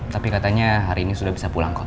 tapi katanya hari ini sudah bisa pulang kok